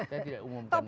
saya tidak umumkan